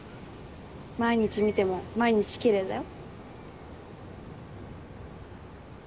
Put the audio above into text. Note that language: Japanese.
毎日見ても毎日奇麗だよ。